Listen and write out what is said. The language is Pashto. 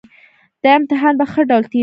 دا امتحان په ښه ډول تېر کړئ